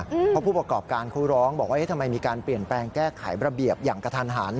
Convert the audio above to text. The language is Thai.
เพราะผู้ประกอบการเขาร้องบอกว่าทำไมมีการเปลี่ยนแปลงแก้ไขระเบียบอย่างกระทันหัน